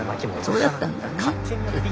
そうだったんだね。